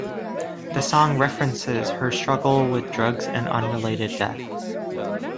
The song references her struggle with drugs and unrelated death.